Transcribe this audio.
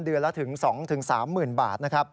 เดือนละถึง๒๓หมื่นบาท